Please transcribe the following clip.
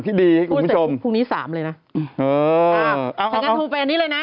ที่ดีให้คุณผู้ชมพรุ่งนี้สามเลยน่ะเออเอาเอาเอาแผ่นนี้เลยน่ะ